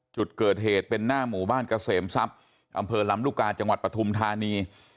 จุดเกิดเหตุเป็นหน้าหมู่บ้านเกษมทรัพย์อำเภอลำลูกกาจังหวัดปฐุมธานี